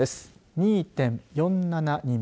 ２．４７人。